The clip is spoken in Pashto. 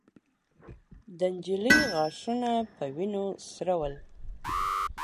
د نجلۍ غاښونه په وينو سره ول.